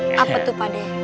apa itu pak de